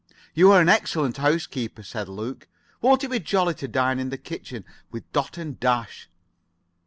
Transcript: "You are an excellent housekeeper," said Luke. "Won't it be jolly to dine in the kitchen with Dot and Dash?"